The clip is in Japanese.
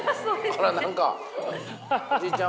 あら何かおじいちゃん